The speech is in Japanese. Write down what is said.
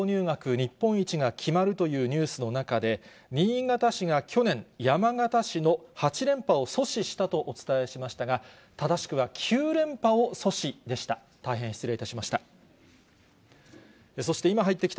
日本一が決まるというニュースの中で、新潟市が去年、山形市の８連覇を阻止したとお伝えしましたが、正しくは９連覇を阻止でした。